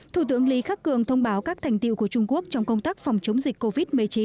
thủ tướng lý khắc cường thông báo các thành tiệu của trung quốc trong công tác phòng chống dịch covid một mươi chín